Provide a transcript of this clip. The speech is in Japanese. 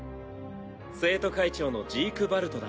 生徒会長のジークヴァルトだ。